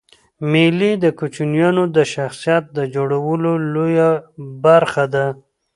مېلې د کوچنيانو د شخصیت د جوړولو یوه برخه ده.